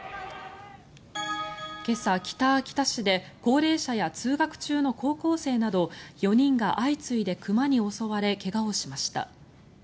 今朝、北秋田市で高齢者や通学中の高校生など４人が相次いで熊に襲われ怪我をしました。